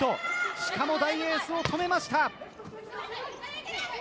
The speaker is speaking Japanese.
しかも大エースを止めました。